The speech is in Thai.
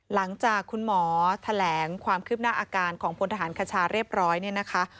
หลังจากคุณหมอแถลงความคืบหน้าอาการของพลทหารคชาเรียบร้อยเนี่ยนะคะ